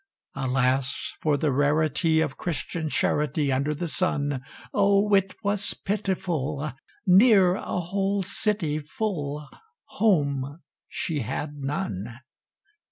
Alas! for the rarity Of Christian charity Under the sun! Oh! it was pitiful! Near a whole city full, Home she had none.